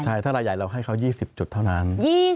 ใช่ถ้ารายใหญ่เราให้เขา๒๐จุดเท่านั้น